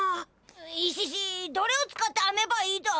イシシどれを使ってあめばいいだ？